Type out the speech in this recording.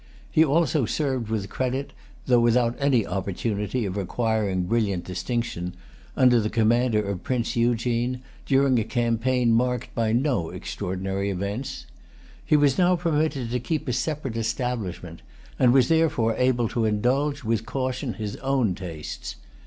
He also served with credit, though without any opportunity of acquiring brilliant distinction, under the command of Prince Eugene, during a campaign marked by no extraordinary events. He was now permitted to keep a separate establishment, and was therefore able to indulge with caution his own tastes.